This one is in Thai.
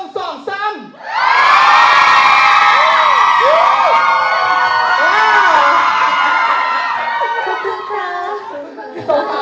ขอบคุณค่ะ